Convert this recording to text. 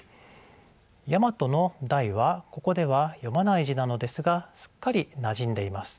「大和」の「大」はここでは読まない字なのですがすっかりなじんでいます。